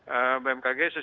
bmkg sesuai dengan tugas bumkg